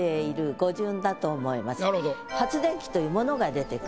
「発電機」という物が出てくる。